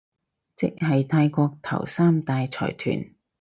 即係泰國頭三大財團